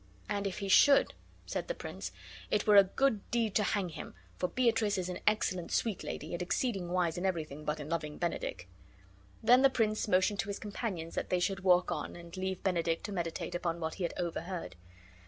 "And if he should," said the prince, "it were a good deed to hang him; for Beatrice is an excellent sweet lady, and exceeding wise in everything but in loving Benedick." Then the prince motioned to his companions that they should walk on and leave Benedick to meditate upon what he had overheard.